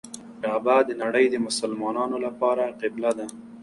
کعبه د نړۍ د مسلمانانو لپاره قبله ده.